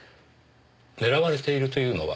狙われているというのは？